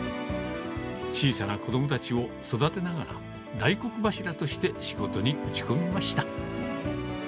小さな子どもたちを育てながら、大黒柱として仕事に打ち込みました。